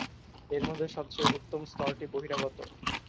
এর মধ্যে সবচেয়ে উত্তম স্তরটি বহিরাগত।